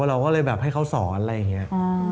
มาให้เขาสอนอะไรอย่างเงี้ย